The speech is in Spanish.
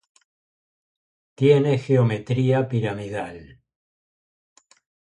Tiene geometría piramidal.